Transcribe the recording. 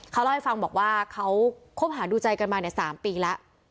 เขาเล่าให้ฟังบอกว่าเขาคบหาดูใจกันมา๓ปีแล้ว